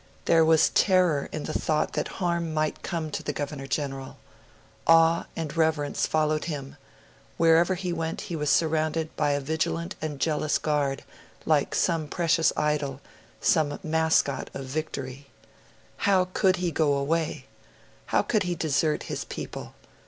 There was terror in the thought that harm might come to the Governor General. Awe and reverence followed him; wherever he went he was surrounded by a vigilant and jealous guard, like some precious idol, some mascot of victory. How could he go away? How could he desert his people?